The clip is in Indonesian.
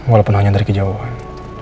walaupun hanya dari kejauhan